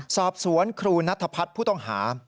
สอบสวนครูนัทพัฒน์ผู้ต้องหา